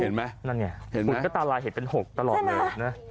เห็นไหมนั่นไงฝุ่นก็ตาลายเห็นเป็น๖ตลอดเลยนะใช่ไหม